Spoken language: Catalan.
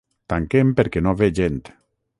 Tanquem perquè no ve gent.